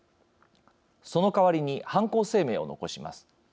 その代わりに犯行声明を残します。